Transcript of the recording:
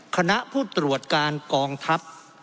คณะผู้ตรวจการกองทัพ